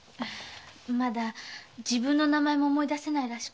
まだ自分の名前も思い出せないらしくって。